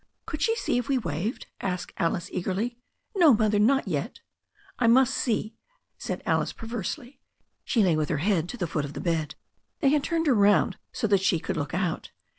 Could she see if we waved?" asked Alice eagerly. No, Mother, not yet." I must see," said Alice perversely. She lay with her head to the foot of the bed. They had turned her round so that she could look out.